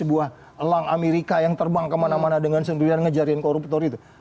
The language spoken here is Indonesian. buah elang amerika yang terbang kemana mana dengan sendirian ngejarin koruptor itu